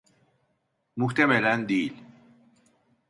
Muhtemelen değil.